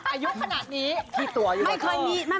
อายุขนาดนี้